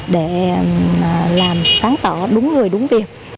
để làm sáng tỏ đúng người đúng việc